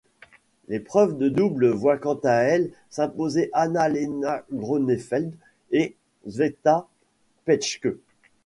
L'épreuve de double voit quant à elle s'imposer Anna-Lena Grönefeld et Květa Peschke.